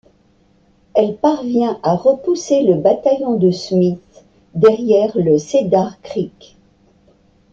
Elle parvient à repousser le bataillon de Smith derrière le Cedar Creek.